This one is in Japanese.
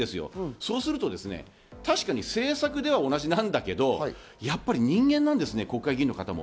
そうすると確かに政策では同じなんだけど、やっぱり人間なんですね、国会議員の方も。